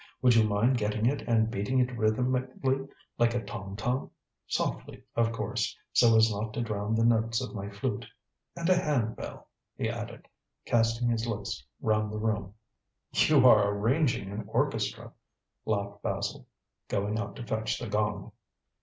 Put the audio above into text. "Would you mind getting it and beating it rhythmically like a tom tom softly, of course, so as not to drown the notes of my flute. And a hand bell," he added, casting his looks round the room. "You are arranging an orchestra," laughed Basil, going out to fetch the gong.